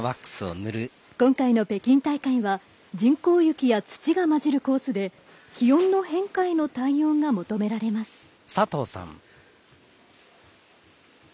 今回の北京大会は、人工雪や土が混じるコースで気温の変化への対応が求められます。